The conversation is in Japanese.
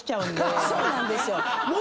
そうなんですよ。